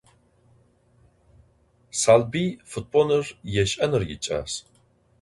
Salbıy futbol yêş'enır yiç'as.